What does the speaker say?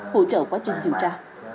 hỗ trợ quá trình điều tra